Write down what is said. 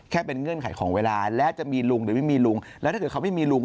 แค่เป็นเงื่อนไขของเวลาและจะมีลุงหรือไม่มีลุง